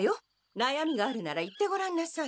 なやみがあるなら言ってごらんなさい。